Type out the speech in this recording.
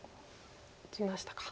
打ちましたか。